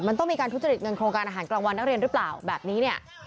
มันต้องมีการทุจริตเงินโครงการอาหารกลางวันนักเรียนหรือเปล่าแบบนี้เนี่ย